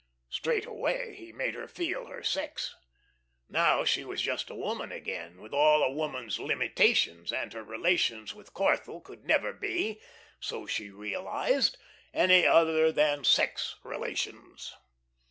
Straightway he made her feel her sex. Now she was just a woman again, with all a woman's limitations, and her relations with Corthell could never be so she realised any other than sex relations.